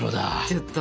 ちょっと。